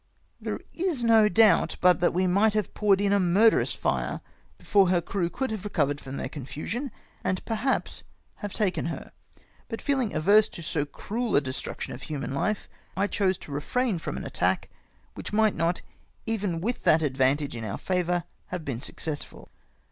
There is no doubt but that we might have pom edin a murderous fire before the crew coidd have recovered from their confusion, and perhaps have taken her, but feehng averse to so cruel a destruction of human life, I chose to refrain fi om an attack, wdiich might not, even with that advantage in our favour, have been successful.